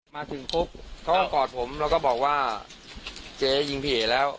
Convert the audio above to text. มาถึงครบเขาก็กอดผมแล้วก็บอกว่าเจ๊ยิงผิดแล้ว